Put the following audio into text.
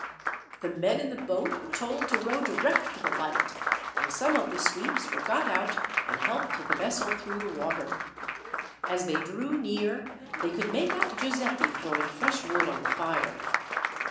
The men in the boat were told to row direct for the light, and some of the sweeps were got out and helped the vessel through the water. As they drew near, they could make out Giuseppi throwing fresh wood on the fire.